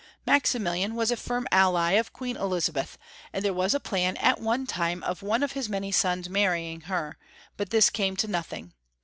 Maximilian IL 309 Maximilian was a firm ally of Queen Elizabeth, and there was a plan at one time of one of his many sons maiTying her, but this came to nothing.